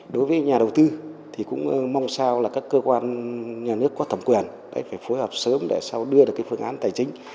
đối với nhà đầu tư thì cũng mong sao là các cơ quan nhà nước có thẩm quyền phải phối hợp sớm để sao đưa được phương án tài chính